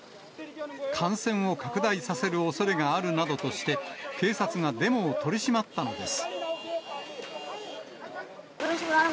感染を拡大させるおそれがあるなどとして、警察がデモを取り締まったのです。